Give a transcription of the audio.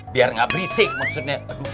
biar gak berisik maksudnya